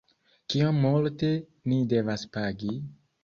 kiom multe ni devas pagi?